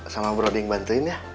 sama broding bantuin ya